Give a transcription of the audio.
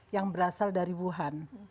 yang berasal dari wuhan